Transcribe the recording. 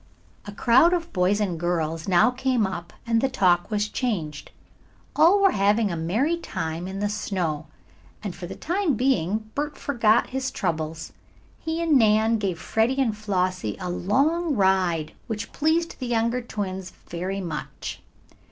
A crowd of boys and girls now came up and the talk was changed. All were having a merry time in the snow, and for the time being Bert forgot his troubles. He and Nan gave Freddie and Flossie a long ride which pleased the younger twins very much.